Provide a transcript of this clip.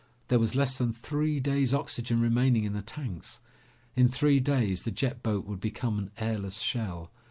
There was less than three days' oxygen remaining in the tanks. In three days the jet boat would become an airless shell.